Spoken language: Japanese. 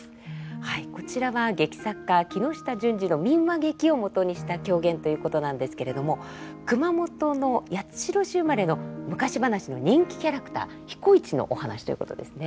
こちらは劇作家木下順二の民話劇をもとにした狂言ということなんですけれども熊本の八代市生まれの昔話の人気キャラクター彦市のお話ということですね。